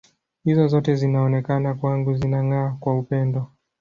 Hizo zote zinaonekana kwangu zinang’aa kwa upendo.